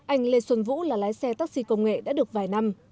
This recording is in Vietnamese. anh lê xuân vũ là lái xe taxi công nghệ đã được vài năm